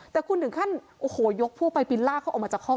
และคุณถึงขั้นยกพวกไปลากเขาออกมาจากห้อง